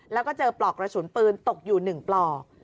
แล้วก็เจอปลอกกระสุนปืนตกอยู่๑ปลอก